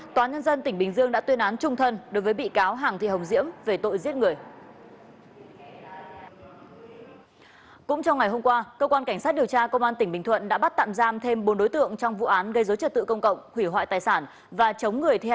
tòa nhân dân tỉnh bình dương đã tuyên án trung thân đối với bị cáo hàng thị hồng diễm về tội giết người